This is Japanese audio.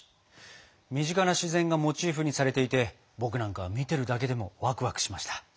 身近な自然がモチーフにされていて僕なんかは見てるだけでもワクワクしました。